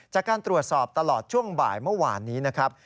จากการตรวจสอบตลอดช่วงบ่ายเมื่อวานนี้นะครับ